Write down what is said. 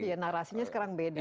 ya narasinya sekarang beda